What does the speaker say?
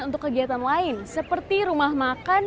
untuk kegiatan lain seperti rumah makan